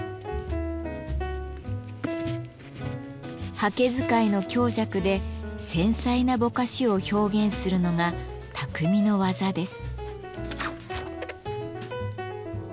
刷毛使いの強弱で繊細なぼかしを表現するのが匠の技です。